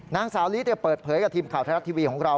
นางสาวลีเปิดเผยกับทีมข่าวไทยรัฐทีวีของเรา